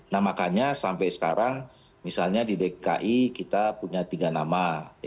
nah makanya sampai sekarang misalnya di dki kita punya tiga nama